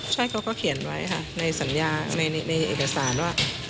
ใช่เขาก็เขียนไว้ค่ะในสัญญาในเอกสารว่า